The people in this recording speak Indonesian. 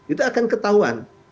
itu akan ketahuan